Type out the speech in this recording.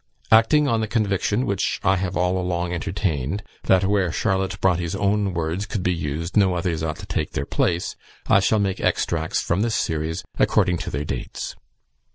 Acting on the conviction, which I have all along entertained, that where Charlotte Bronte's own words could be used, no others ought to take their place, I shall make extracts from this series, according to their dates.